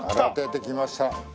あら出てきました！